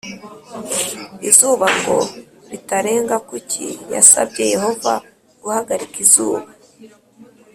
izuba ngo ritarenga Kuki yasabye Yehova guhagarika izuba